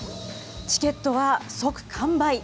チケットは即完売。